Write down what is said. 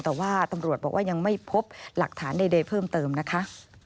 แต่ว่าตำรวจบอกว่ายังไม่พบหลักฐานใดเพิ่มเติมนะคะ